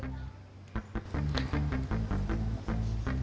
mas suha jahat